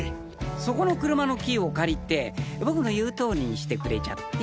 そこの車のキーを借りて僕の言うとおりにしてくれちゃって。